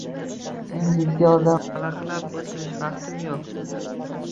Men jiddiy odamman, valaqlab o‘tirishga vaqtim yo‘q!